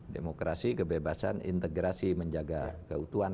demokrasi kebebasan integrasi menjaga keutuhan